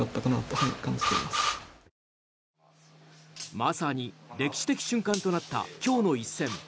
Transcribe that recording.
まさに歴史的瞬間となった今日の一戦。